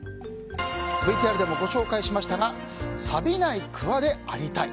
ＶＴＲでもご紹介しましたがさびないくわでありたい。